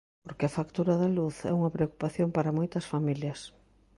Porque a factura da luz é unha preocupación para moitas familias.